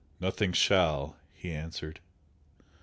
"Nothing shall!" he answered.